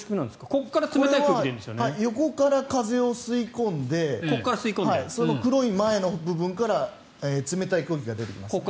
横から冷たい空気を吸い込んで黒い、前の部分から冷たい空気が出てきます。